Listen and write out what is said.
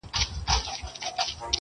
مور د کور درد زغمي,